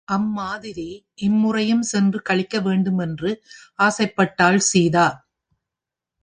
அம்மாதிரி இம்முறையும் சென்று கழிக்க வேண்டுமென்று ஆசைப்பட்டாள் சீதா.